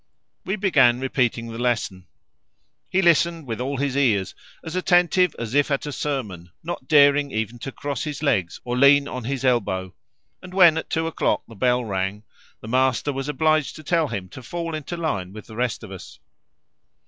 We began repeating the lesson. He listened with all his ears, as attentive as if at a sermon, not daring even to cross his legs or lean on his elbow; and when at two o'clock the bell rang, the master was obliged to tell him to fall into line with the rest of us.